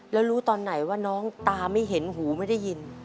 แล้วรู้ตอนไหนว่าน้องตาไม่เห็นหูไม่ได้ยิน